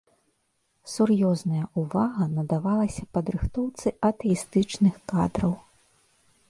Сур'ёзная ўвага надавалася падрыхтоўцы атэістычных кадраў.